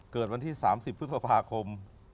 เกิดวันที่๓๐พฤษภาคม